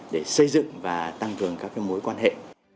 để xây dựng và tăng cường các mối quan hệ